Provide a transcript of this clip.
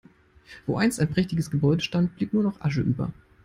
Wo einst ein prächtiges Gebäude stand, blieb nur noch Asche über.